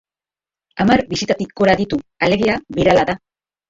Hamar bisitatik gora ditu, alegia, birala da.